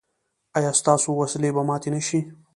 ایا ستاسو وسلې به ماتې نه شي؟